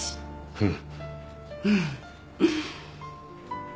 うん。